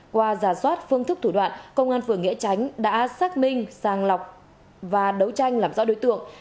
qua giả soát phương thức thủ đoạn công an phường nghĩa tránh đã xác minh sàng lọc và đấu tranh làm rõ đối tượng